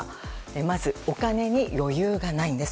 まずお金に余裕がないんです。